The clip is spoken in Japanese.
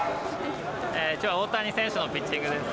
きょうは大谷選手のピッチングです。